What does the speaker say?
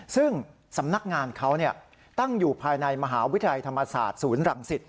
ซึ่งสำนักงานเขาตั้งอยู่ภายในมหาวิทยาลัยธรรมศาสตร์ศูนย์รังสิต